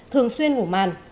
thường xuyên ngủ màn